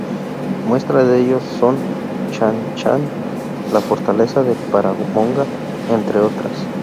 Muestra de ello son Chan Chan, la fortaleza de Paramonga, entre otras.